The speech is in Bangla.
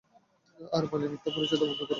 আর মালীর মিথ্যা পরিচয় দেয়া বন্ধ কর।